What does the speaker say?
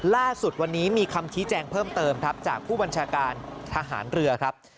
ล่าสุดวันนี้มีคำชี้แจงเพิ่มเติมครับจากผู้บัญชาการทหารเรือครับ